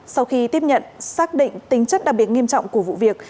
sau khi tiếp nhận xác định tính chất đặc biệt nghiêm trọng của vụ việc